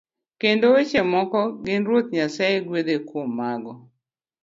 Kendo weche moko gin Ruoth Nyasaye gwedhe kuom mago.